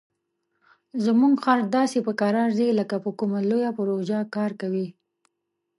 زموږ خر داسې په کراره ځي لکه په کومه لویه پروژه کار کوي.